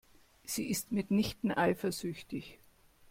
Sie ist mitnichten eifersüchtig.